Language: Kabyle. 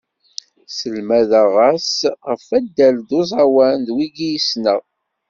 Sselmadeɣ-as ɣef waddal d uẓawan, d wigi i ssneɣ.